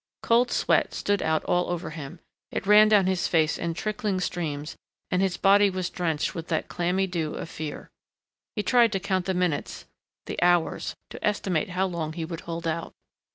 Cold sweat stood out all over him; it ran down his face in trickling streams and his body was drenched with that clammy dew of fear. He tried to count the minutes, the hours, to estimate how long he would hold out....